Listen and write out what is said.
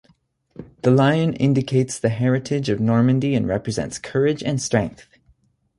The lion indicates the heritage of Normandy and represents courage and strength.